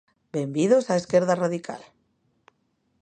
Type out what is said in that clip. ¡Benvidos á esquerda radical!